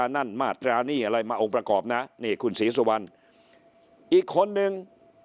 นั่นมาตรานี่อะไรมาองค์ประกอบนะนี่คุณศรีสุวรรณอีกคนนึง